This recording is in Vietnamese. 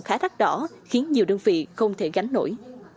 khá rắc rõ khiến nhiều đơn vị không thể gánh nổi